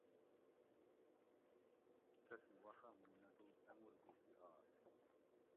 تتھیں وخہ مُوں نٹوگ انگور گشی آش